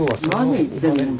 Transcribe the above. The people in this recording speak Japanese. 何言ってんの？